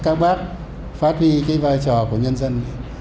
các bác phát huy cái vai trò của nhân dân